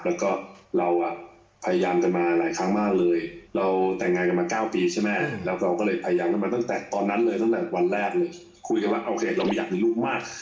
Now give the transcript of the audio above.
แล้วก็เราอ่ะพยายามกันมาหลายครั้งมากเลยเราแต่งงานกันมา๙ปีใช่ไหมแล้วเราก็เลยพยายามกันมาตั้งแต่ตอนนั้นเลยตั้งแต่วันแรกเลยคุยกันว่าโอเคเราไม่อยากมีลูกมาก